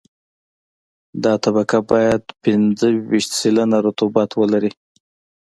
دا طبقه باید پنځه ویشت سلنه رطوبت ولري